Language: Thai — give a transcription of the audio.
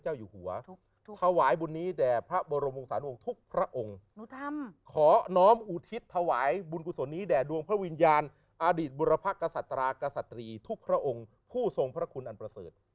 ให้เลยต้องทำนะ